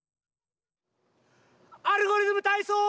「アルゴリズムたいそう」！